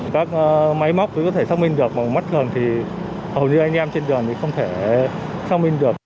các máy móc cũng có thể xác minh được mà mắt gần thì hầu như anh em trên đường thì không thể xác minh được